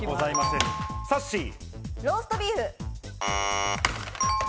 ローストビーフ。